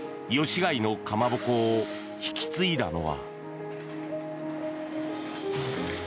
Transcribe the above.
開のかまぼこを引き継いだのは。